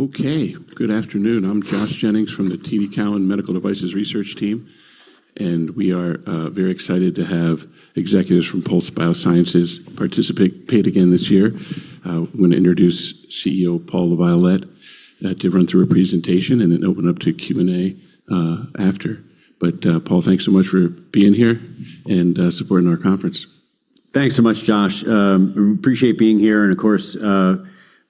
Okay. Good afternoon. I'm Josh Jennings from the TD Cowen Medical Devices research team, we are very excited to have executives from Pulse Biosciences participate again this year. I wanna introduce CEO Paul LaViolette to run through a presentation and then open up to Q&A after. Paul, thanks so much for being here and supporting our conference. Thanks so much, Josh. Appreciate being here and, of course,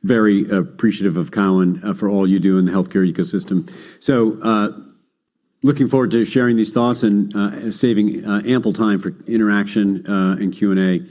very appreciative of Cowen, for all you do in the healthcare ecosystem. Looking forward to sharing these thoughts and saving ample time for interaction and Q&A.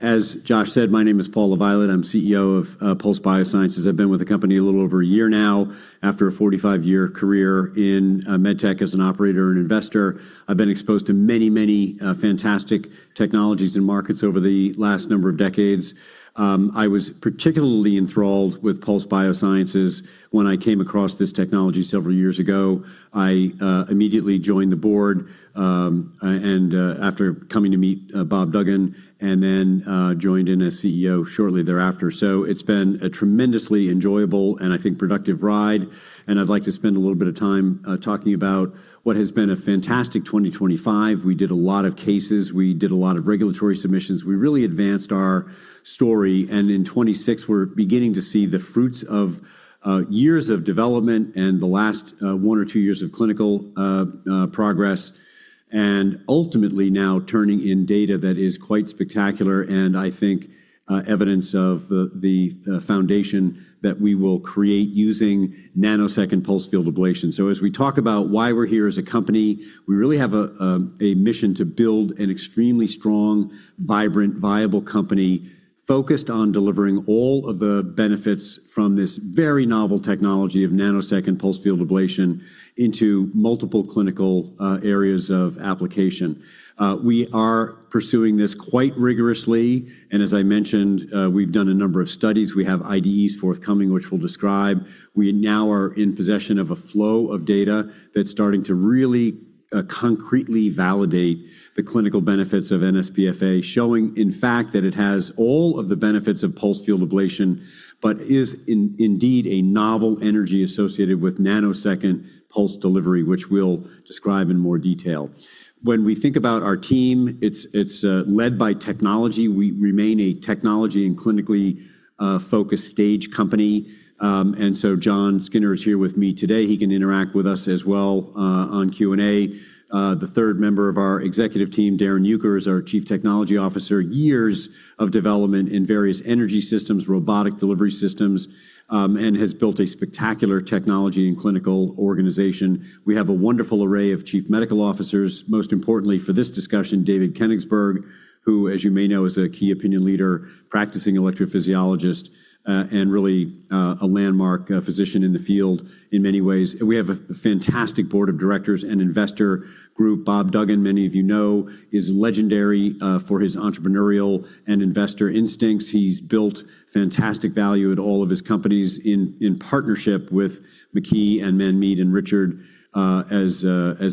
As Josh said, my name is Paul LaViolette. I'm CEO of Pulse Biosciences. I've been with the company a little over a year now, after a 45-year career in med tech as an operator and investor. I've been exposed to many, many fantastic technologies and markets over the last number of decades. I was particularly enthralled with Pulse Biosciences when I came across this technology several years ago. I immediately joined the board, and after coming to meet Bob Duggan, and then joined in as CEO shortly thereafter. It's been a tremendously enjoyable and I think productive ride, and I'd like to spend a little bit of time talking about what has been a fantastic 2025. We did a lot of cases. We did a lot of regulatory submissions. We really advanced our story, and in 2026 we're beginning to see the fruits of years of development and the last one or two years of clinical progress, and ultimately now turning in data that is quite spectacular and I think evidence of the foundation that we will create using nanosecond pulsed field ablation. As we talk about why we're here as a company, we really have a mission to build an extremely strong, vibrant, viable company focused on delivering all of the benefits from this very novel technology of Nanosecond Pulsed Field Ablation into multiple clinical areas of application. We are pursuing this quite rigorously, and as I mentioned, we've done a number of studies. We have IDEs forthcoming which we'll describe. We now are in possession of a flow of data that's starting to really concretely validate the clinical benefits of NSPFA, showing in fact that it has all of the benefits of pulsed field ablation but is indeed a novel energy associated with nanosecond pulse delivery, which we'll describe in more detail. When we think about our team, it's led by technology. We remain a technology and clinically focused stage company. Jon Skinner is here with me today. He can interact with us as well on Q&A. The third member of our executive team, Darrin Uecker, is our Chief Technology Officer. Years of development in various energy systems, robotic delivery systems, and has built a spectacular technology and clinical organization. We have a wonderful array of Chief Medical Officers, most importantly for this discussion, David Kenigsberg, who as you may know, is a key opinion leader, practicing electrophysiologist, and really a landmark physician in the field in many ways. We have a fantastic Board of Directors and investor group. Bob Duggan, many of you know, is legendary for his entrepreneurial and investor instincts. He's built fantastic value at all of his companies in partnership with McKee and Manmeet and Richard as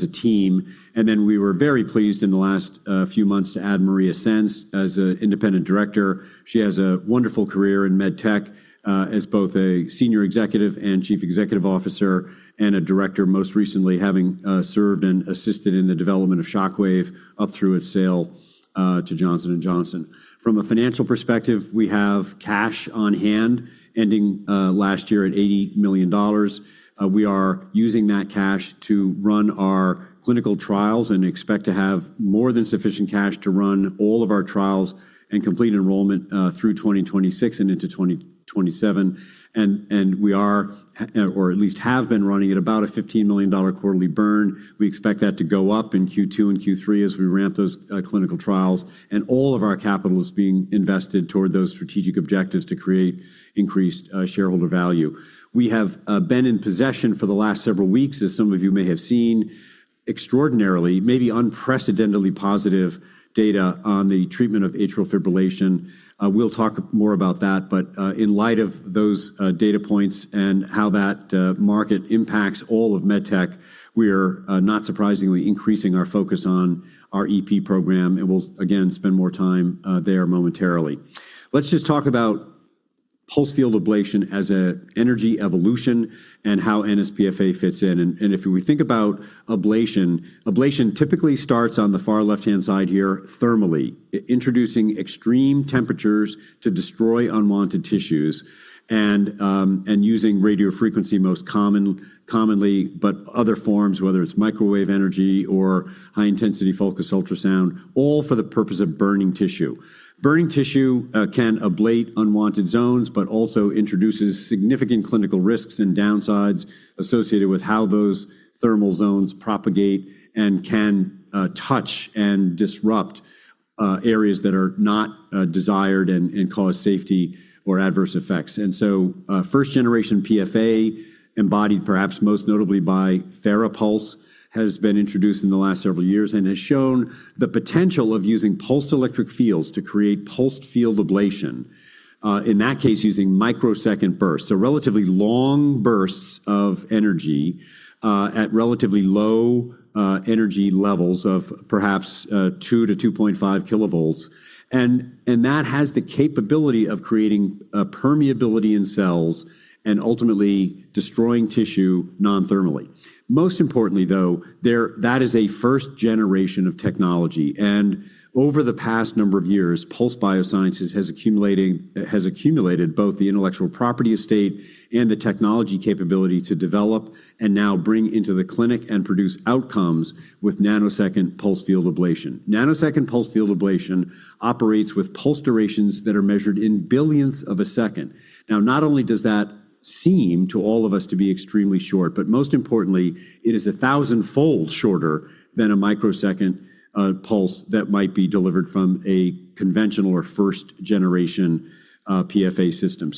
a team. We were very pleased in the last few months to add Maria Sainz as an independent director. She has a wonderful career in med tech as both a senior executive and chief executive officer and a director, most recently having served and assisted in the development of Shockwave up through its sale to Johnson & Johnson. From a financial perspective, we have cash on hand ending last year at $80 million. We are using that cash to run our clinical trials and expect to have more than sufficient cash to run all of our trials and complete enrollment through 2026 and into 2027. We are or at least have been running at about a $15 million quarterly burn. We expect that to go up in Q2 and Q3 as we ramp those clinical trials. All of our capital is being invested toward those strategic objectives to create increased shareholder value. We have been in possession for the last several weeks, as some of you may have seen, extraordinarily, maybe unprecedentedly positive data on the treatment of atrial fibrillation. We'll talk more about that, in light of those data points and how that market impacts all of med tech, we're not surprisingly increasing our focus on our EP program, and we'll again spend more time there momentarily. Let's just talk about pulsed field ablation as a energy evolution and how NSPFA fits in. If we think about ablation typically starts on the far left-hand side here thermally, introducing extreme temperatures to destroy unwanted tissues and using radiofrequency most commonly, but other forms, whether it's microwave energy or high-intensity focused ultrasound, all for the purpose of burning tissue. Burning tissue can ablate unwanted zones but also introduces significant clinical risks and downsides associated with how those thermal zones propagate and can touch and disrupt areas that are not desired and cause safety or adverse effects. First generation PFA, embodied perhaps most notably by Farapulse, has been introduced in the last several years and has shown the potential of using pulsed electric fields to create pulsed field ablation. In that case, using microsecond bursts, so relatively long bursts of energy, at relatively low, energy levels of perhaps, 2 to 2.5 kilovolts. That has the capability of creating permeability in cells and ultimately destroying tissue non-thermally. Most importantly, though, that is a first generation of technology, and over the past number of years, Pulse Biosciences has accumulated both the intellectual property estate and the technology capability to develop and now bring into the clinic and produce outcomes with Nanosecond Pulsed Field Ablation. Nanosecond Pulsed Field Ablation operates with pulse durations that are measured in billionths of a second. Not only does that seem to all of us to be extremely short, but most importantly, it is a 1,000-fold shorter than a microsecond pulse that might be delivered from a conventional or first-generation PFA system.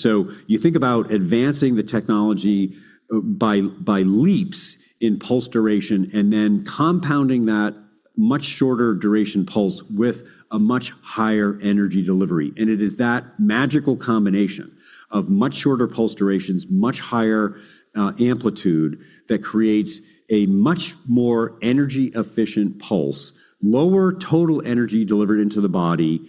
You think about advancing the technology, by leaps in pulse duration and then compounding that much shorter duration pulse with a much higher energy delivery. It is that magical combination of much shorter pulse durations, much higher amplitude that creates a much more energy-efficient pulse, lower total energy delivered into the body,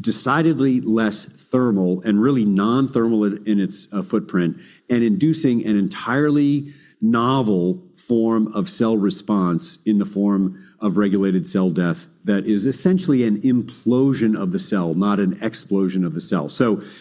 decidedly less thermal and really non-thermal in its footprint, and inducing an entirely novel form of cell response in the form of regulated cell death that is essentially an implosion of the cell, not an explosion of the cell.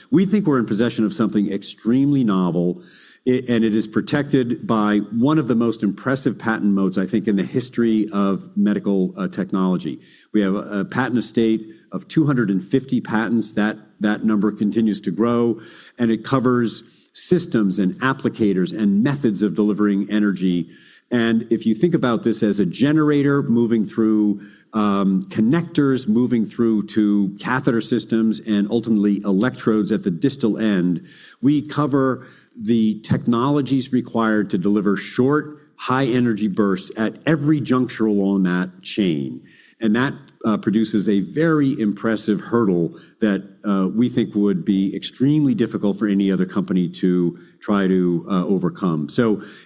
We think we're in possession of something extremely novel and it is protected by one of the most impressive patent moats, I think, in the history of medical technology. We have a patent estate of 250 patents. That number continues to grow, and it covers systems and applicators and methods of delivering energy. If you think about this as a generator moving through connectors, moving through to catheter systems and ultimately electrodes at the distal end, we cover the technologies required to deliver short, high-energy bursts at every juncture along that chain. That produces a very impressive hurdle that we think would be extremely difficult for any other company to try to overcome.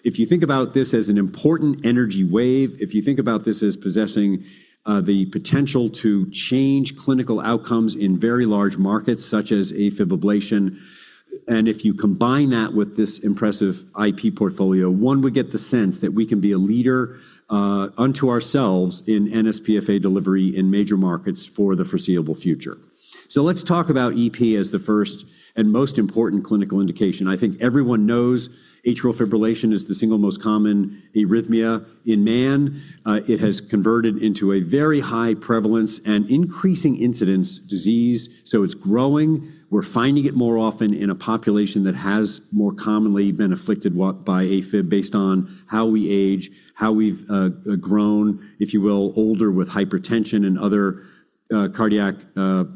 If you think about this as an important energy wave, if you think about this as possessing the potential to change clinical outcomes in very large markets such as AFib ablation, and if you combine that with this impressive IP portfolio, one would get the sense that we can be a leader unto ourselves in NSPFA delivery in major markets for the foreseeable future. Let's talk about EP as the first and most important clinical indication. I think everyone knows atrial fibrillation is the single most common arrhythmia in man. It has converted into a very high prevalence and increasing incidence disease, so it's growing. We're finding it more often in a population that has more commonly been afflicted by AFib based on how we age, how we've grown, if you will, older with hypertension and other cardiac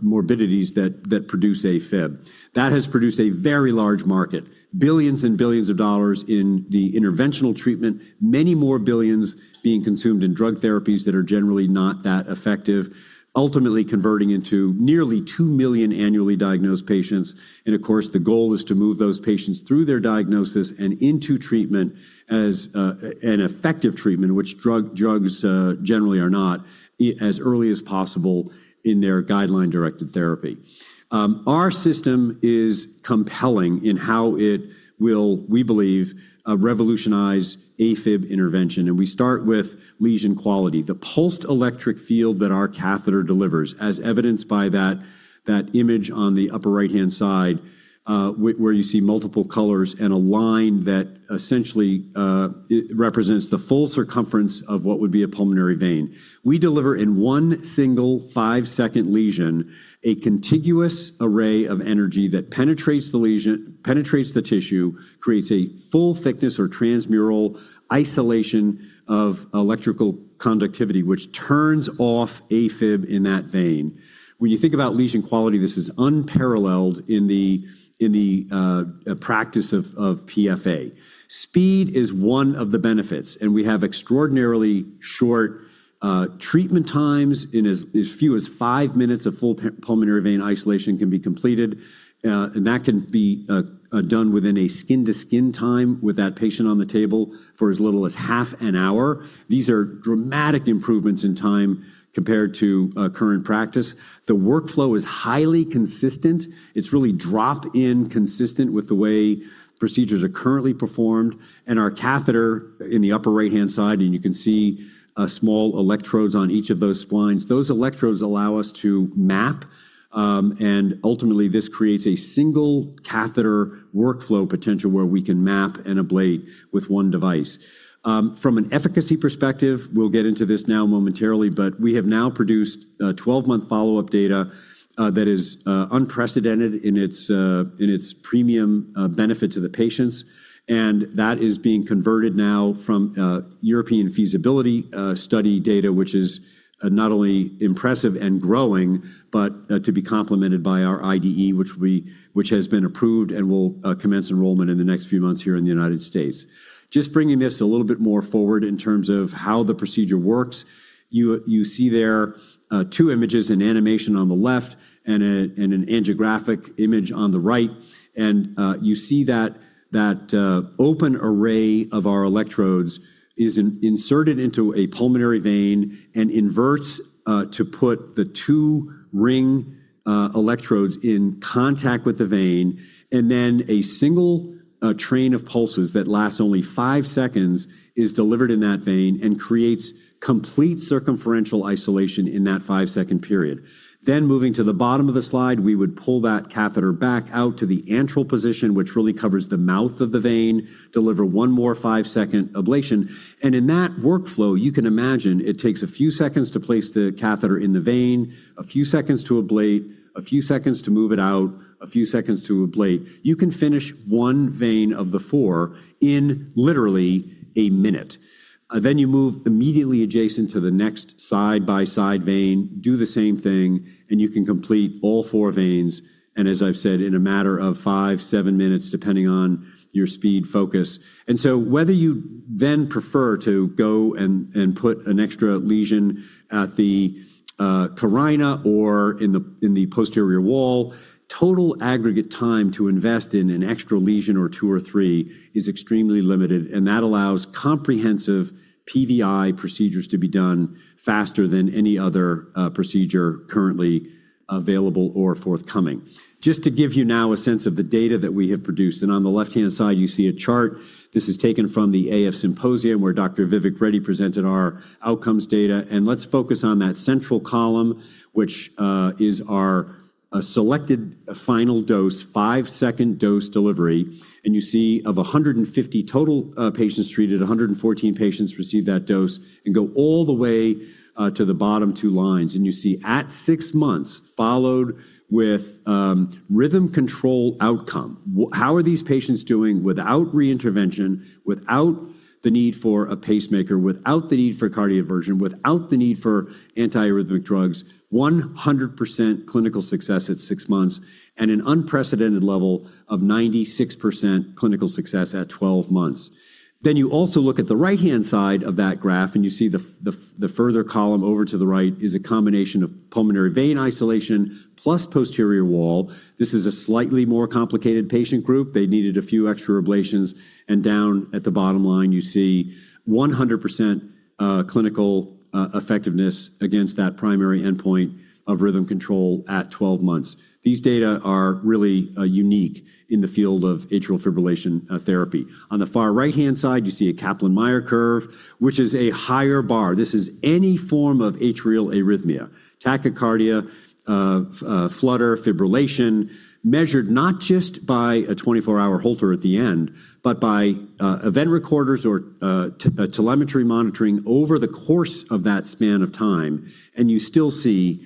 morbidities that produce AFib. That has produced a very large market, billions and billions of dollars in the interventional treatment, many more billions being consumed in drug therapies that are generally not that effective, ultimately converting into nearly 2 million annually diagnosed patients. Of course, the goal is to move those patients through their diagnosis and into treatment as an effective treatment, which drugs generally are not, as early as possible in their guideline-directed therapy. Our system is compelling in how it will, we believe, revolutionize AFib intervention, and we start with lesion quality. The pulsed electric field that our catheter delivers, as evidenced by that image on the upper right-hand side, where you see multiple colors and a line that essentially, it represents the full circumference of what would be a pulmonary vein. We deliver in 1 single 5-second lesion a contiguous array of energy that penetrates the tissue, creates a full thickness or transmural isolation of electrical conductivity, which turns off AFib in that vein. When you think about lesion quality, this is unparalleled in the practice of PFA. Speed is one of the benefits, we have extraordinarily short treatment times. In as few as 5 minutes, a full pulmonary vein isolation can be completed, and that can be done within a skin-to-skin time with that patient on the table for as little as half an hour. These are dramatic improvements in time compared to current practice. The workflow is highly consistent. It's really drop-in consistent with the way procedures are currently performed. Our catheter in the upper right-hand side, and you can see small electrodes on each of those splines. Those electrodes allow us to map, and ultimately this creates a single catheter workflow potential where we can map and ablate with 1 device. From an efficacy perspective, we'll get into this now momentarily, but we have now produced 12-month follow-up data that is unprecedented in its premium benefit to the patients. That is being converted now from European feasibility study data, which is not only impressive and growing, but to be complemented by our IDE, which has been approved and will commence enrollment in the next few months here in the United States. Just bringing this a little bit more forward in terms of how the procedure works. You see there two images, an animation on the left and an angiographic image on the right. You see that open array of our electrodes is inserted into a pulmonary vein and inverts to put the two ring electrodes in contact with the vein. A singleA train of pulses that lasts only 5 seconds is delivered in that vein and creates complete circumferential isolation in that 5-second period. Moving to the bottom of the slide, we would pull that catheter back out to the antral position, which really covers the mouth of the vein, deliver 1 more 5-second ablation. In that workflow, you can imagine it takes a few seconds to place the catheter in the vein, a few seconds to ablate, a few seconds to move it out, a few seconds to ablate. You can finish 1 vein of the 4 in literally 1 minute. You move immediately adjacent to the next side-by-side vein, do the same thing, and you can complete all 4 veins, and as I've said, in a matter of 5, 7 minutes, depending on your speed focus. Whether you then prefer to go and put an extra lesion at the carina or in the posterior wall, total aggregate time to invest in an extra lesion or 2 or 3 is extremely limited, and that allows comprehensive PVI procedures to be done faster than any other procedure currently available or forthcoming. Just to give you now a sense of the data that we have produced, and on the left-hand side, you see a chart. This is taken from the AF Symposium, where Dr. Vivek Reddy presented our outcomes data. Let's focus on that central column, which is our selected final dose, 5-second dose delivery. You see of 150 total patients treated, 114 patients received that dose. Go all the way to the bottom 2 lines, and you see at 6 months, followed with rhythm control outcome. How are these patients doing without reintervention, without the need for a pacemaker, without the need for cardioversion, without the need for antiarrhythmic drugs? 100% clinical success at 6 months and an unprecedented level of 96% clinical success at 12 months. You also look at the right-hand side of that graph, and you see the further column over to the right is a combination of pulmonary vein isolation plus posterior wall. This is a slightly more complicated patient group. They needed a few extra ablations. Down at the bottom line, you see 100% clinical effectiveness against that primary endpoint of rhythm control at 12 months. These data are really unique in the field of atrial fibrillation therapy. On the far right-hand side, you see a Kaplan-Meier curve, which is a higher bar. This is any form of atrial arrhythmia, tachycardia, flutter, fibrillation, measured not just by a 24-hour Holter at the end, but by event recorders or telemetry monitoring over the course of that span of time. You still see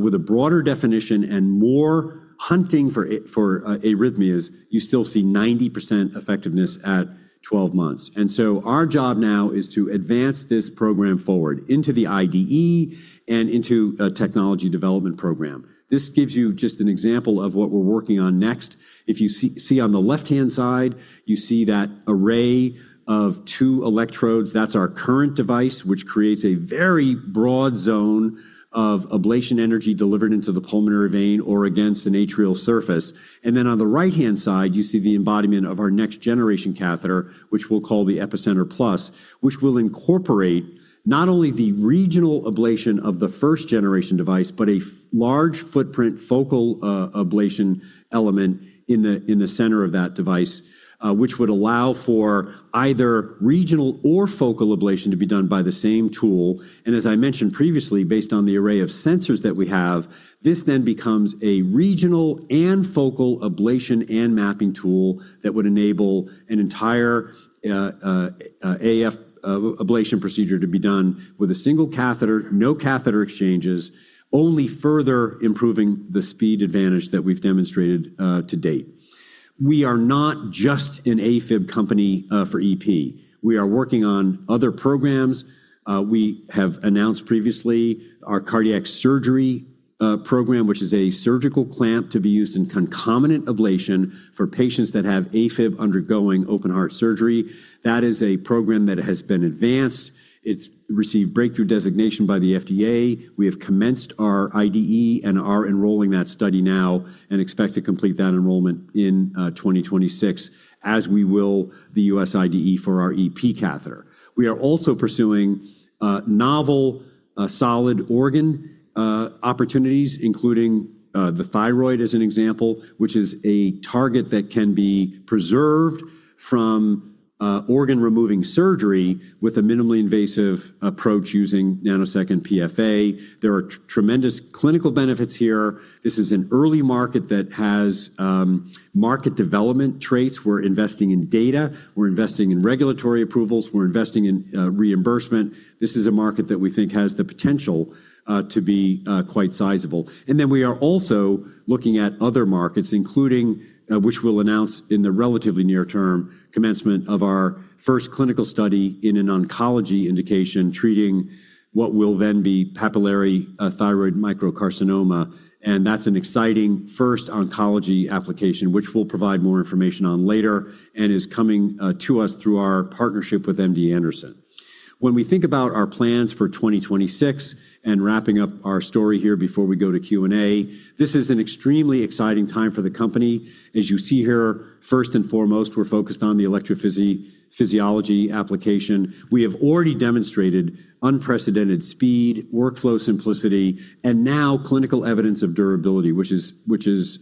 with a broader definition and more hunting for arrhythmias, you still see 90% effectiveness at 12 months. Our job now is to advance this program forward into the IDE and into a technology development program. This gives you just an example of what we're working on next. If you see on the left-hand side, you see that array of 2 electrodes. That's our current device, which creates a very broad zone of ablation energy delivered into the pulmonary vein or against an atrial surface. On the right-hand side, you see the embodiment of our next-generation catheter, which we'll call the Epicenter Plus, which will incorporate not only the regional ablation of the first-generation device, but a large footprint focal ablation element in the center of that device, which would allow for either regional or focal ablation to be done by the same tool. As I mentioned previously, based on the array of sensors that we have, this then becomes a regional and focal ablation and mapping tool that would enable an entire AF ablation procedure to be done with a single catheter, no catheter exchanges, only further improving the speed advantage that we've demonstrated to date. We are not just an AFib company for EP. We are working on other programs. We have announced previously our cardiac surgery program, which is a surgical clamp to be used in concomitant ablation for patients that have AFib undergoing open heart surgery. That is a program that has been advanced. It's received Breakthrough designation by the FDA. We have commenced our IDE and are enrolling that study now and expect to complete that enrollment in 2026, as we will the US IDE for our EP catheter. We are also pursuing novel solid organ opportunities, including the thyroid as an example, which is a target that can be preserved from organ-removing surgery with a minimally invasive approach using nanosecond PFA. There are tremendous clinical benefits here. This is an early market that has market development traits. We're investing in data. We're investing in regulatory approvals. We're investing in reimbursement. This is a market that we think has the potential to be quite sizable. Then we are also looking at other markets, including, which we'll announce in the relatively near term, commencement of our first clinical study in an oncology indication, treating what will then be papillary thyroid microcarcinoma. That's an exciting first oncology application, which we'll provide more information on later and is coming to us through our partnership with MD Anderson. We think about our plans for 2026 and wrapping up our story here before we go to Q&A. This is an extremely exciting time for the company. As you see here, first and foremost, we're focused on the electrophysiology application. We have already demonstrated unprecedented speed, workflow simplicity, and now clinical evidence of durability, which is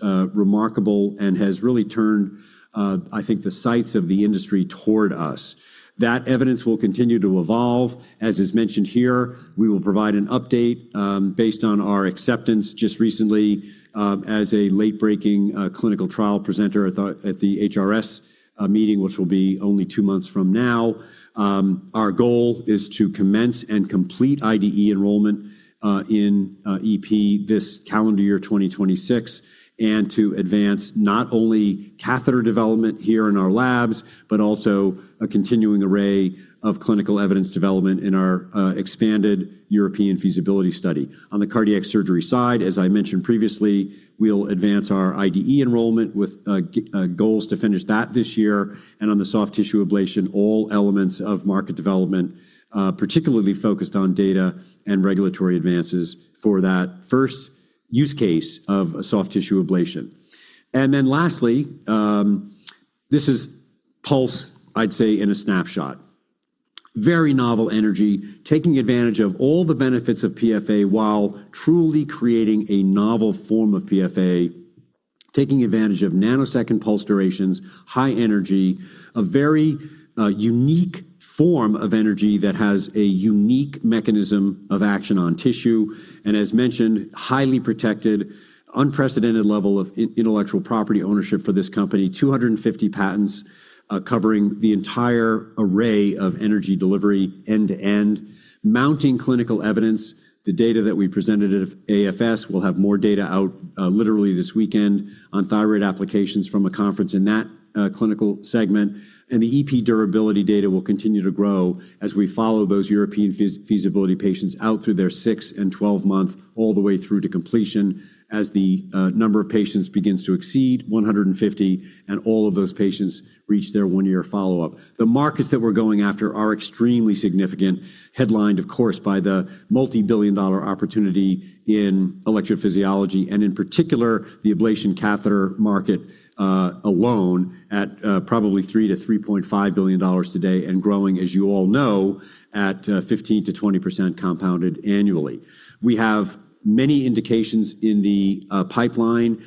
remarkable and has really turned, I think the sights of the industry toward us. That evidence will continue to evolve. As is mentioned here, we will provide an update, based on our acceptance just recently, as a late-breaking clinical trial presenter at the HRS meeting, which will be only 2 months from now. Our goal is to commence and complete IDE enrollment in EP this calendar year, 2026, and to advance not only catheter development here in our labs, but also a continuing array of clinical evidence development in our expanded European feasibility study. On the cardiac surgery side, as I mentioned previously, we'll advance our IDE enrollment with goals to finish that this year. On the soft tissue ablation, all elements of market development, particularly focused on data and regulatory advances for that first use case of a soft tissue ablation. Lastly, this is Pulse, I'd say, in a snapshot. Very novel energy, taking advantage of all the benefits of PFA while truly creating a novel form of PFA. Taking advantage of nanosecond pulse durations, high energy, a very unique form of energy that has a unique mechanism of action on tissue. As mentioned, highly protected, unprecedented level of intellectual property ownership for this company. 250 patents covering the entire array of energy delivery end to end. Mounting clinical evidence. The data that we presented at AFS. We'll have more data out literally this weekend on thyroid applications from a conference in that clinical segment. The EP durability data will continue to grow as we follow those European feasibility patients out through their 6 and 12-month all the way through to completion as the number of patients begins to exceed 150, and all of those patients reach their 1-year follow-up. The markets that we're going after are extremely significant, headlined, of course, by the multi-billion dollar opportunity in electrophysiology and in particular, the ablation catheter market alone at probably $3 billion-$3.5 billion today and growing, as you all know, at 15%-20% compounded annually. We have many indications in the pipeline,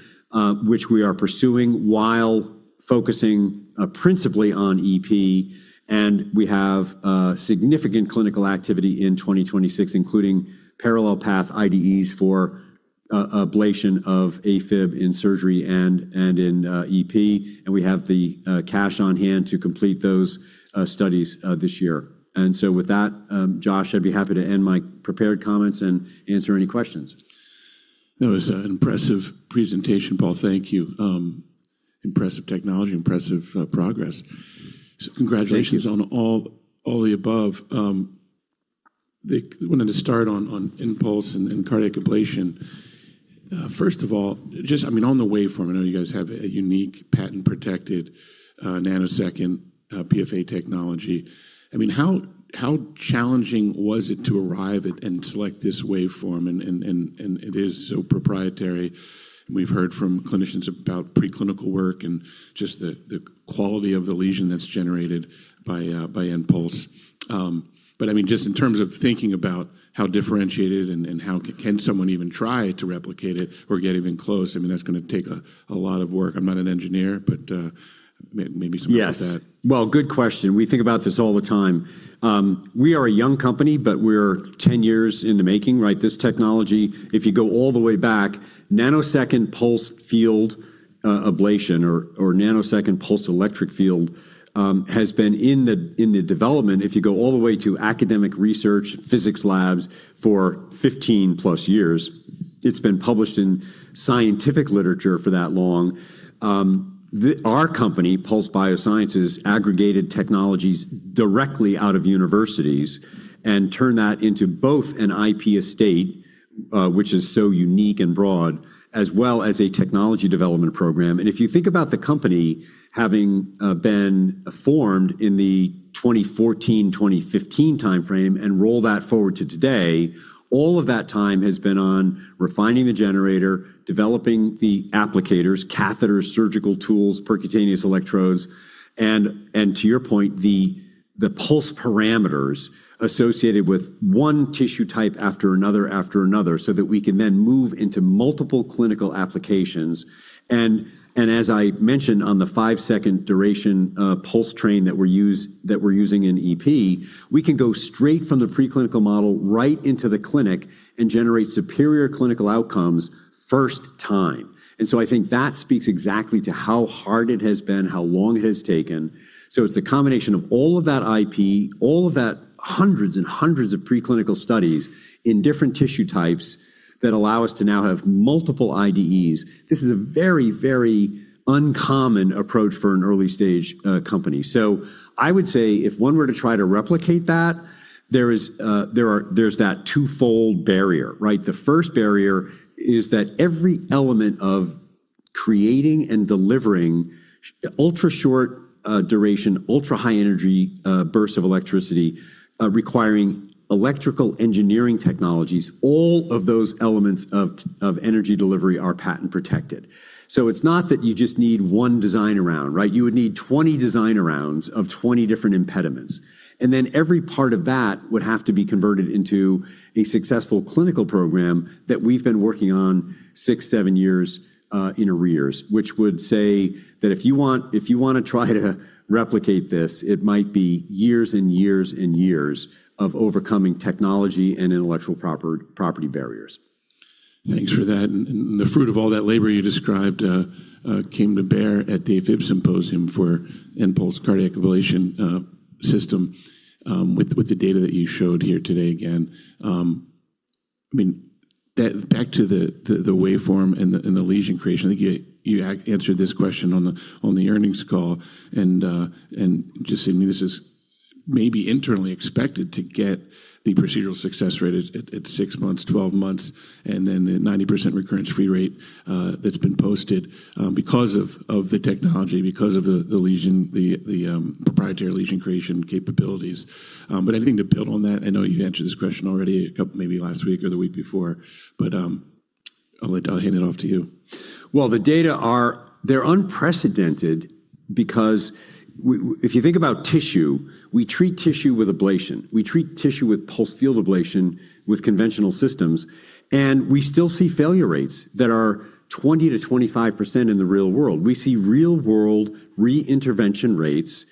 which we are pursuing while focusing principally on EP. We have significant clinical activity in 2026, including parallel path IDEs for ablation of AFib in surgery and in EP. We have the cash on hand to complete those studies this year. With that, Josh, I'd be happy to end my prepared comments and answer any questions. That was an impressive presentation, Paul. Thank you. Impressive technology, impressive progress. Thank you. Congratulations on all the above. wanted to start on Enpulse and cardiac ablation. First of all, just, I mean, on the waveform, I know you guys have a unique patent-protected nanosecond PFA technology. I mean, how challenging was it to arrive at and select this waveform and it is so proprietary. We've heard from clinicians about preclinical work and just the quality of the lesion that's generated by Enpulse. I mean, just in terms of thinking about how differentiated and how can someone even try to replicate it or get even close, I mean, that's gonna take a lot of work. I'm not an engineer, but maybe someone like that. Yes. Well, good question. We think about this all the time. We are a young company, but we're 10 years in the making, right? This technology, if you go all the way back, nanosecond pulsed field ablation or nanosecond pulsed electric field, has been in the development if you go all the way to academic research physics labs for 15+ years. It's been published in scientific literature for that long. Our company, Pulse Biosciences, aggregated technologies directly out of universities and turned that into both an IP estate, which is so unique and broad, as well as a technology development program. If you think about the company having been formed in the 2014, 2015 timeframe and roll that forward to today, all of that time has been on refining the generator, developing the applicators, catheters, surgical tools, percutaneous electrodes. To your point, the pulse parameters associated with one tissue type after another, after another, so that we can then move into multiple clinical applications. As I mentioned on the 5-second duration pulse train that we're using in EP, we can go straight from the preclinical model right into the clinic and generate superior clinical outcomes first time. I think that speaks exactly to how hard it has been, how long it has taken. It's a combination of all of that IP, all of that hundreds and hundreds of preclinical studies in different tissue types that allow us to now have multiple IDEs. This is a very, very uncommon approach for an early-stage company. I would say if one were to try to replicate that, there's that twofold barrier, right? The first barrier is that every element of creating and delivering ultra-short duration, ultra-high energy bursts of electricity requiring electrical engineering technologies, all of those elements of energy delivery are patent-protected. It's not that you just need one design around, right? You would need 20 design arounds of 20 different impediments. Every part of that would have to be converted into a successful clinical program that we've been working on 6, 7 years in arrears. Which would say that if you wanna try to replicate this, it might be years and years and years of overcoming technology and intellectual property barriers. Thanks for that. The fruit of all that labor you described, came to bear at the AF Symposium for Enpulse cardiac ablation system, with the data that you showed here today again. I mean, back to the waveform and the lesion creation. I think you answered this question on the earnings call and just saying this is maybe internally expected to get the procedural success rate at 6 months, 12 months, and then the 90% recurrence-free rate that's been posted, because of the technology, because of the lesion, the proprietary lesion creation capabilities. Anything to build on that? I know you answered this question already maybe last week or the week before, I'll hand it off to you. The data are. They're unprecedented because if you think about tissue, we treat tissue with ablation. We treat tissue with Pulsed Field Ablation with conventional systems, and we still see failure rates that are 20%-25% in the real world. We see real-world reintervention rates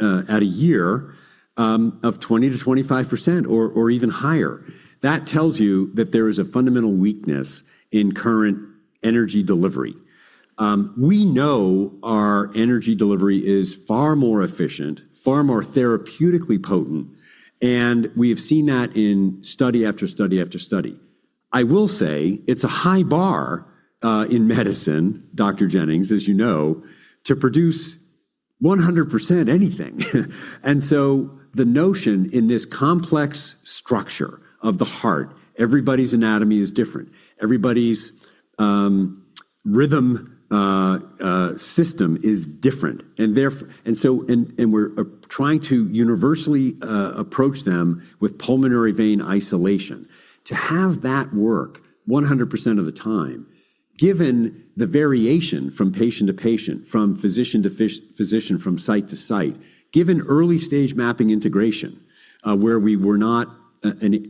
at a year of 20%-25% or even higher. That tells you that there is a fundamental weakness in current energy delivery. We know our energy delivery is far more efficient, far more therapeutically potent, and we have seen that in study after study after study. I will say it's a high bar in medicine, Joshua Jennings, as you know, to produce 100% anything. The notion in this complex structure of the heart, everybody's anatomy is different. Everybody's rhythm system is different. We're trying to universally approach them with pulmonary vein isolation. To have that work 100% of the time, given the variation from patient to patient, from physician to physician, from site to site. Given early-stage mapping integration, where we were not any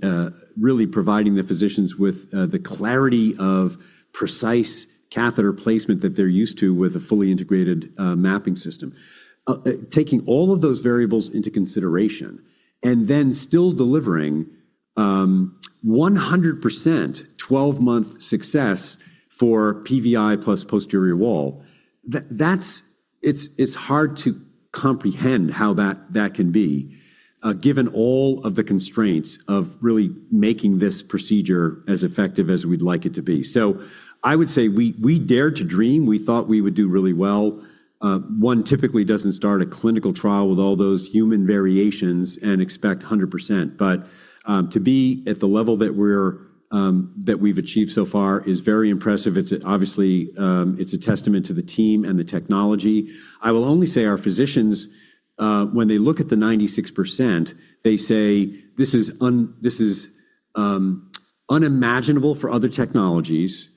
really providing the physicians with the clarity of precise catheter placement that they're used to with a fully integrated mapping system. Taking all of those variables into consideration and then still delivering 100% 12-month success for PVI plus posterior wall, that's it's hard to comprehend how that can be given all of the constraints of really making this procedure as effective as we'd like it to be. I would say we dared to dream. We thought we would do really well. One typically doesn't start a clinical trial with all those human variations and expect 100%. To be at the level that we're that we've achieved so far is very impressive. It's obviously it's a testament to the team and the technology. I will only say our physicians, when they look at the 96%, they say, "This is unimaginable for other technologies.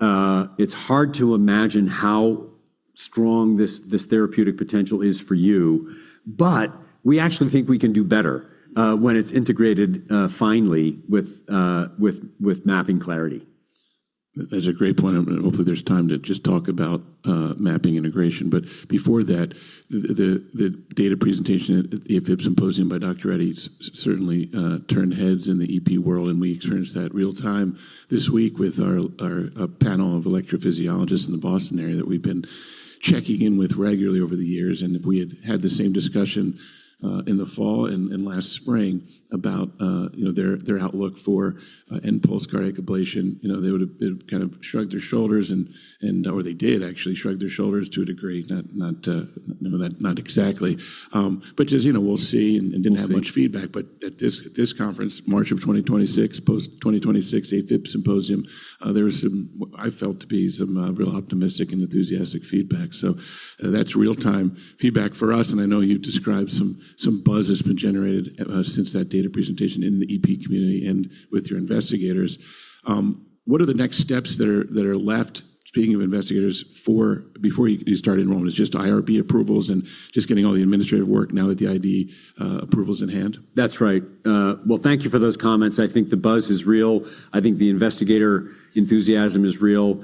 It's hard to imagine how strong this therapeutic potential is for you, but we actually think we can do better when it's integrated finally with with mapping clarity. That's a great point, and hopefully there's time to just talk about mapping integration. Before that, the data presentation at the AF Symposium by Dr. Reddy certainly turned heads in the EP world, and we experienced that real-time this week with our a panel of electrophysiologists in the Boston area that we've been checking in with regularly over the years. If we had had the same discussion in the fall and last spring about, you know, their outlook for Enpulse cardiac ablation, you know, they would have kind of shrugged their shoulders and or they did actually shrug their shoulders to a degree, not exactly. Just, you know, we'll see and didn't have much feedback. At this conference, March of 2026, post 2026 AFib Symposium, there was some, I felt to be some, real optimistic and enthusiastic feedback. That's real-time feedback for us, and I know you've described some buzz that's been generated since that data presentation in the EP community and with your investigators. What are the next steps that are left, speaking of investigators, for before you start enrollment? It's just IRB approvals and just getting all the administrative work now that the IDE approval is in hand. That's right. Well, thank you for those comments. I think the buzz is real. I think the investigator enthusiasm is real.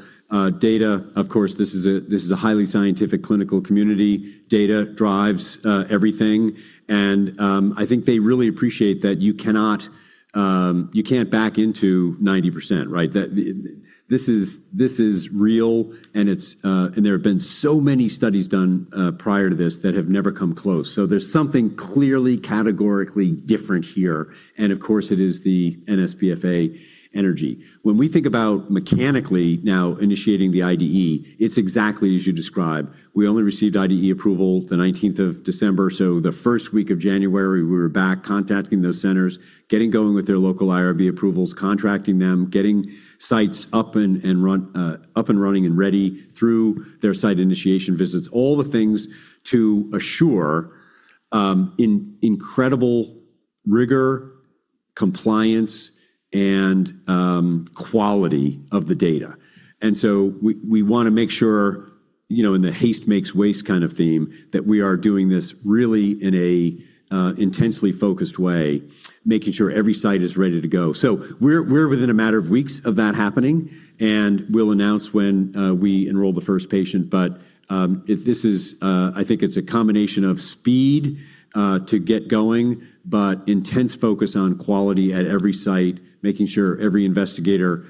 Data, of course, this is a highly scientific clinical community. Data drives everything. I think they really appreciate that you cannot, you can't back into 90%, right? This is real, and it's, and there have been so many studies done prior to this that have never come close. There's something clearly categorically different here, and of course, it is the NSPFA energy. When we think about mechanically now initiating the IDE, it's exactly as you describe. We only received IDE approval the 19th of December. The 1st week of January, we were back contacting those centers, getting going with their local IRB approvals, contracting them, getting sites up and running and ready through their site initiation visits. All the things to assure incredible rigor, compliance, and quality of the data. We wanna make sure, you know, in the haste makes waste kind of theme, that we are doing this really in a intensely focused way, making sure every site is ready to go. We're within a matter of weeks of that happening, and we'll announce when we enroll the 1st patient. If this is... I think it's a combination of speed to get going, but intense focus on quality at every site, making sure every investigator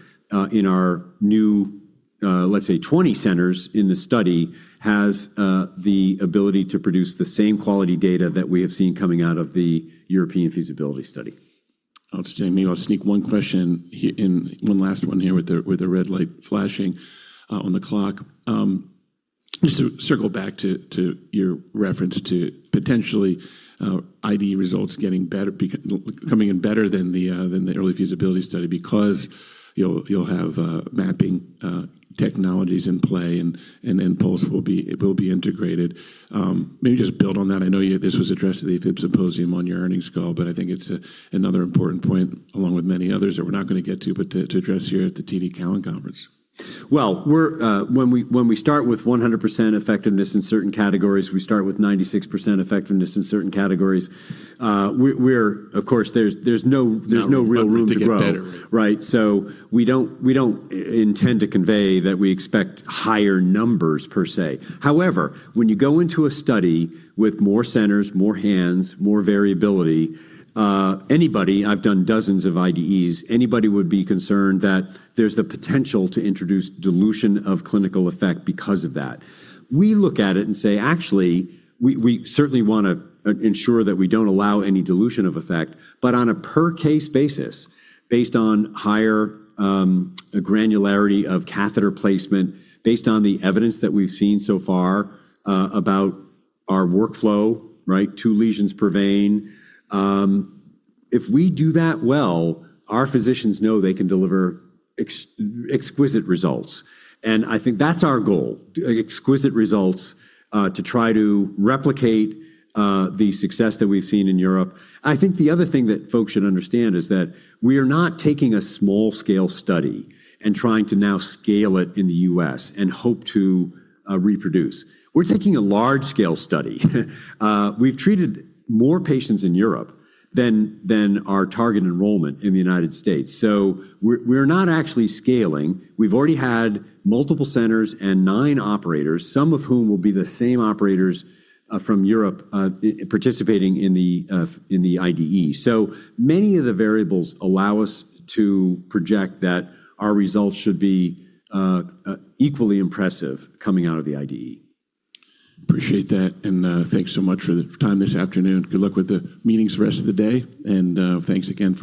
in our new, let's say 20 centers in this study has the ability to produce the same quality data that we have seen coming out of the European feasibility study. Maybe I'll sneak one question here in. One last one here with the red light flashing on the clock. Just to circle back to your reference to potentially, IDE results getting better coming in better than the early feasibility study because you'll have mapping technologies in play and Enpulse will be integrated. Maybe just build on that. I know this was addressed at the AF Symposium on your earnings call, but I think it's another important point, along with many others that we're not gonna get to, but to address here at the TD Cowen Conference. Well, we're, when we start with 100% effectiveness in certain categories, we start with 96% effectiveness in certain categories. Of course, there's no room to grow. To get better. Right. We don't, we don't intend to convey that we expect higher numbers per se. However, when you go into a study with more centers, more hands, more variability, anybody... I've done dozens of IDEs. Anybody would be concerned that there's the potential to introduce dilution of clinical effect because of that. We look at it and say, "Actually, we certainly wanna ensure that we don't allow any dilution of effect, but on a per case basis, based on higher granularity of catheter placement, based on the evidence that we've seen so far about our workflow, right, two lesions per vein. If we do that well, our physicians know they can deliver exquisite results." And I think that's our goal, exquisite results, to try to replicate the success that we've seen in Europe. I think the other thing that folks should understand is that we are not taking a small scale study and trying to now scale it in the U.S. and hope to reproduce. We're taking a large scale study. We've treated more patients in Europe than our target enrollment in the United States. We're not actually scaling. We've already had multiple centers and nine operators, some of whom will be the same operators, from Europe, participating in the IDE. Many of the variables allow us to project that our results should be equally impressive coming out of the IDE. Appreciate that, thanks so much for the time this afternoon. Good luck with the meetings the rest of the day, thanks again.